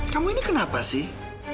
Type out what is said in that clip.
kamu ini kenapa sih